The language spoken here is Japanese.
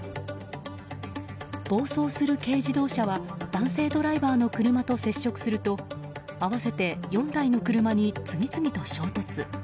暴走する軽自動車は男性ドライバーの車と接触すると、合わせて４台の車に次々と衝突。